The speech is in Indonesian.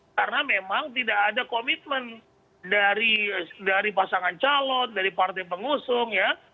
karena memang tidak ada komitmen dari pasangan calon dari partai pengusung ya